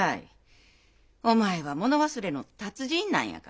お前は物忘れの達人なんやから。